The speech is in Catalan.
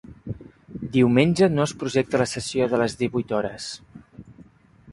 Diumenge no es projecta la sessió de les divuit h.